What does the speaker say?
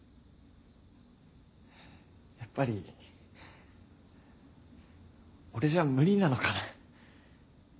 やっぱり俺じゃ無理なのかな。